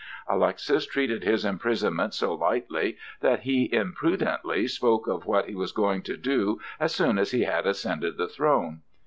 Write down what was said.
Alexis treated his imprisonment so lightly that he imprudently spoke of what he was going to do as soon as he had ascended the throne.